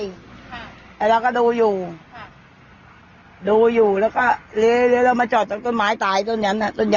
แล้วก็ดูอยู่ดูอยู่ค่ะดูอยู่แล้วก็เลี้ยวเรามาจอดต้นไม้ตายต้นยัง